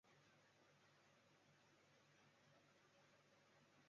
书院东侧有网球场。